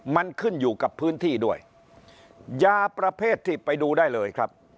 มันขึ้นอยู่กับพื้นที่ด้วยยาประเภทที่ไปดูได้เลยครับ